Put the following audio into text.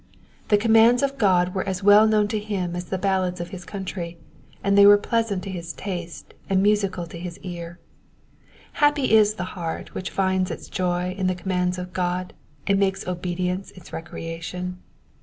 The commands of God were as well known to him as the ballads of his country, and they were pleasant to his taste and musical to his ear. Happy is the heart which finds its joy in the commands of God, and makes obedience its recreation.